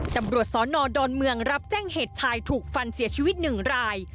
ตำรวจสนดอนเมืองรับแจ้งเหตุชายถูกฟันเสียชีวิตหนึ่งราย